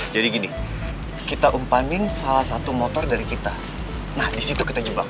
jadi gini kita umpanin salah satu motor dari kita nah di situ kita jebak